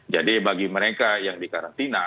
jadi bagi mereka yang di karantina